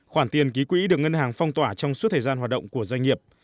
khoản tiền ký quỹ được ngân hàng phong tỏa trong suốt thời gian hoạt động của doanh nghiệp